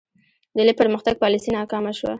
د لوی پرمختګ پالیسي ناکامه شوه.